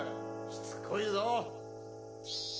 しつこいぞ。